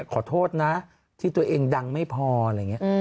ขอโทษนะที่ตัวเองดังไม่พออะไรอย่างนี้